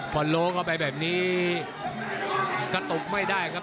พอโลเข้าไปแบบนี้กระตุกไม่ได้ครับ